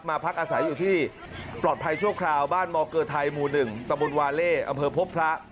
พักอาศัยอยู่ที่ปลอดภัยชั่วคราวบ้านมเกอร์ไทยหมู่๑ตะบนวาเล่อำเภอพบพระ